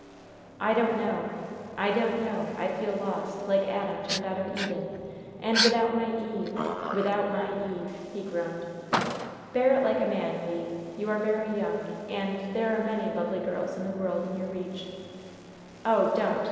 "I don't know I don't know! I feel lost! Like Adam turned out of Eden! And without my Eve without my Eve!" he groaned. "Bear it like a man, Le! You are very young, and there are many lovely girls in the world in your reach." "Oh, don't.